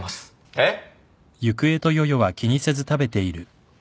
えっ？